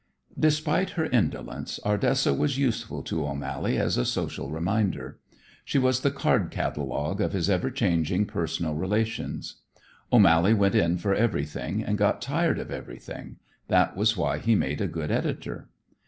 Despite her indolence, Ardessa was useful to O'Mally as a social reminder. She was the card catalogue of his ever changing personal relations. O'Mally went in for everything and got tired of everything; that was why he made a good editor.